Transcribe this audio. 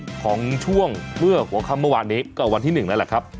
ของช่วงเมื่อหัวค่ำเมื่อวานนี้ก็วันที่๑แล้วแหละครับ